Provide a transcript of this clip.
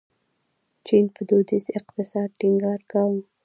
چین په دودیز اقتصاد ټینګار کاوه.